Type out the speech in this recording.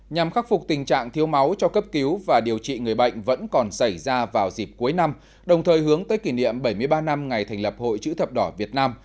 nhằm khắc phục tình trạng thiếu máu cho cấp cứu và điều trị người bệnh vẫn còn xảy ra vào dịp cuối năm đồng thời hướng tới kỷ niệm bảy mươi ba năm ngày thành lập hội chữ thập đỏ việt nam